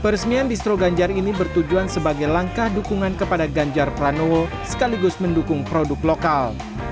peresmian distro ganjar ini bertujuan sebagai langkah dukungan kepada ganjar pranowo sekaligus mendukung produk lokal